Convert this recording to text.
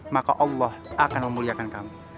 maka allah akan memuliakan kami